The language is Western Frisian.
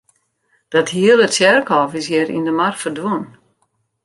Dat hele tsjerkhôf is hjir yn de mar ferdwûn.